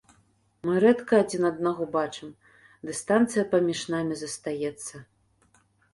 Мы рэдка адзін аднаго бачым, дыстанцыя паміж намі застаецца.